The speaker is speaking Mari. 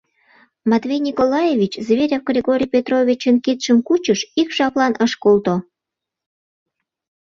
— Матвей Николаевич Зверев Григорий Петровичын кидшым кучыш, ик жаплан ыш колто.